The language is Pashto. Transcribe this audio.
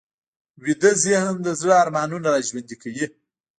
ویده ذهن د زړه ارمانونه راژوندي کوي